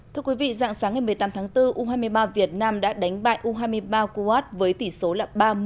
thưa quý vị dạng sáng ngày một mươi tám tháng bốn u hai mươi ba việt nam đã đánh bại u hai mươi ba kuat với tỷ số là ba một